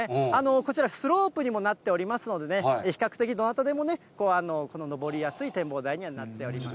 こちら、スロープにもなっておりますのでね、比較的どなたでも、この上りやすい展望台にはなってますね。